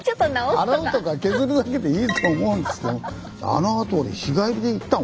洗うとか削るだけでいいと思うんですけども。